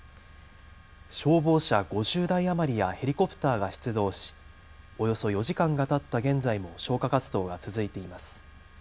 消防車５０台余りやヘリコプターが出動しおよそ４時間がたった現在も消火活動が続いています。